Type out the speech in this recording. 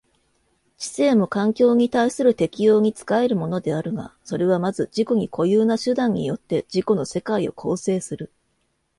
知性も環境に対する適応に仕えるものであるが、それはまず自己に固有な手段によって自己の世界を構成する。